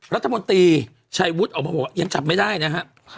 รัฐมนตรีชัยวุฒิออกมาบอกว่ายังจับไม่ได้นะครับ